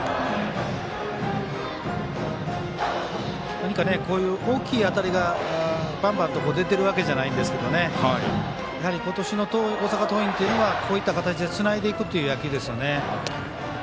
何か、こういう大きい当たりがバンバンと出てるわけじゃないんですけど今年の大阪桐蔭はこういった形でつないでいくという野球ですよね。